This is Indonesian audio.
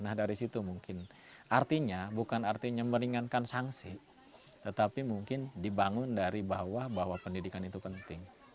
nah dari situ mungkin artinya bukan artinya meringankan sanksi tetapi mungkin dibangun dari bawah bahwa pendidikan itu penting